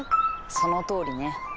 そのとおりね。